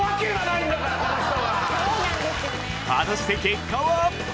果たして結果は？